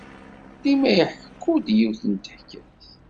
Dima iḥekku-d yiwet n teḥkayt.